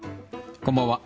こんばんは。